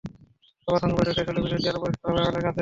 সবার সঙ্গে বৈঠক শেষ হলে বিষয়টি আরও পরিষ্কার হবে আমাদের কাছে।